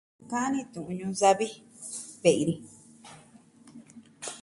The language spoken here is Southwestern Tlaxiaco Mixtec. Ka'an ni tu'un ñuu savi ve'i ni.